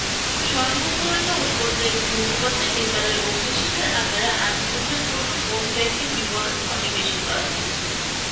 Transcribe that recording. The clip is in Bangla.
স্বয়ম্ভূপুরাণে উদ্ধৃত একটি উপকথায় নেপালে অগ্নিশিখার আকারে আদিবুদ্ধের প্রথম অভিব্যক্তির বিবরণ সন্নিবেশিত আছে।